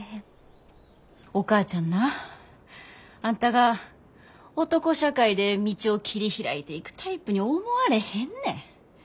お母ちゃんなあんたが男社会で道を切り開いていくタイプに思われへんねん。